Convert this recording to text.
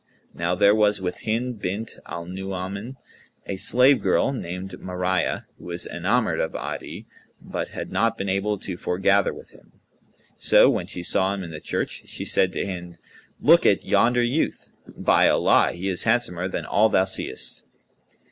Now there was with Hind bint al Nu'uman a slave girl named Mαriyah, who was enamoured of Adi, but had not been able to foregather with him. So, when she saw him in the church, she said to Hind, "Look at yonder youth. By Allah, he is handsomer than all thou seest!"